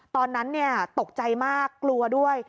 ตอนนั้นตกใจมากกลัวด้วย